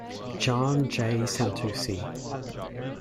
John J. Santucci.